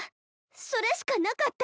それしかなかった。